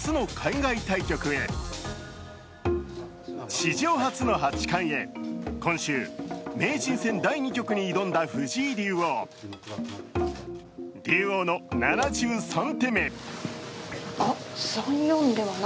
史上初の八冠へ、今週名人戦第２局に挑んだ藤井竜王竜王の７３手目。